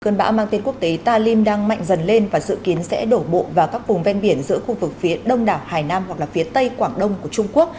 cơn bão mang tên quốc tế talim đang mạnh dần lên và dự kiến sẽ đổ bộ vào các vùng ven biển giữa khu vực phía đông đảo hải nam hoặc là phía tây quảng đông của trung quốc